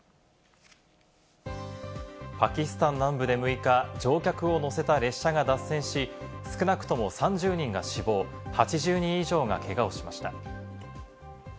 パキスタン南部で６日、乗客を乗せた列車が脱線し、少なくとも３０人が死亡、８０人以上がけがをしました。